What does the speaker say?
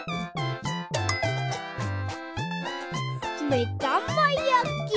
めだまやき！